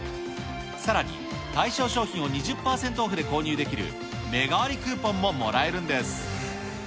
さらに、対象商品を２０％オフで購入できるメガ割クーポンももらえるんです。